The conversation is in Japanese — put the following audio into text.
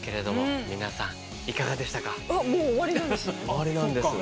終わりなんです。